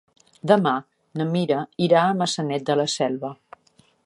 Demà na Mira irà a Maçanet de la Selva.